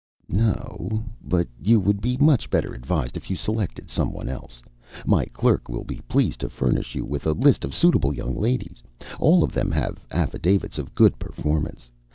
"No. But you would be much better advised if you selected someone else. My clerk will be pleased to furnish you with a list of suitable young ladies. All of them have affidavits of good performance.